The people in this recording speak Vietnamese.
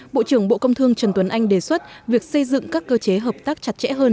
bộ trưởng bộ công thương trần tuấn anh đề xuất việc xây dựng các cơ chế hợp tác chặt chẽ hơn